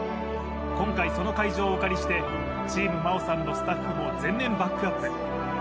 今回、その会場をお借りしてチーム真央さんのスタッフも全面バックアップ。